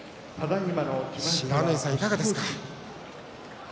不知火さん、いかがですか。